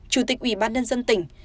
chủ tịch ủy ban nhân dân tỉnh